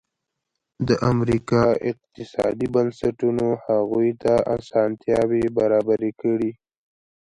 د امریکا اقتصادي بنسټونو هغوی ته اسانتیاوې برابرې کړې.